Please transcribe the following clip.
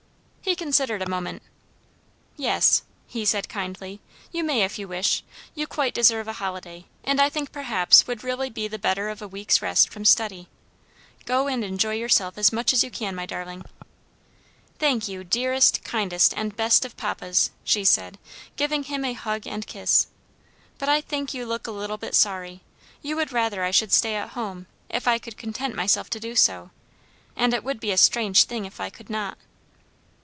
He considered a moment. "Yes," he said kindly, "you may if you wish. You quite deserve a holiday, and I think perhaps would really be the better of a week's rest from study. Go and enjoy yourself as much as you can, my darling." "Thank you, you dearest, kindest, and best of papas," she said, giving him a hug and kiss. "But I think you look a little bit sorry. You would rather I should stay at home, if I could content myself to do so, and it would be a strange thing if I could not."